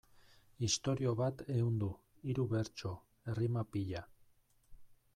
Istorio bat ehundu, hiru bertso, errima pila...